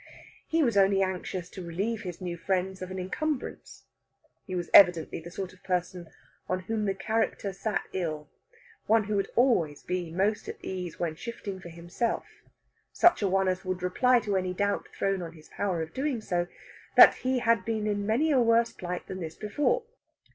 He was only anxious to relieve his new friends of an encumbrance. He was evidently the sort of person on whom the character sat ill; one who would always be most at ease when shifting for himself; such a one as would reply to any doubt thrown on his power of doing so, that he had been in many a worse plight than this before.